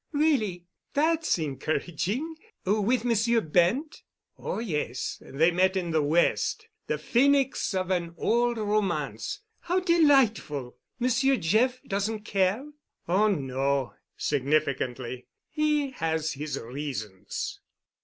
"Really? That's encouraging—with Monsieur Bent?" "Oh, yes—they met in the West—the phenix of an old romance." "How delightful! Monsieur Jeff doesn't care?" "Oh, no," significantly. "He has his reasons."